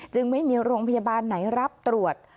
ไม่มีโรงพยาบาลไหนรับตรวจ